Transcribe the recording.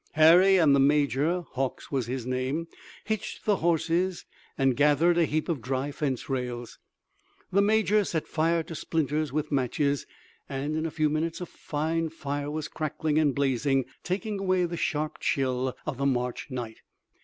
Harry and the major Hawks was his name hitched the horses, and gathered a heap of dry fence rails. The major set fire to splinters with matches and, in a few minutes a fine fire was crackling and blazing, taking away the sharp chill of the March night.